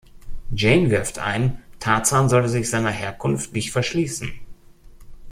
Jane wirft ein, Tarzan solle sich seiner Herkunft nicht verschließen.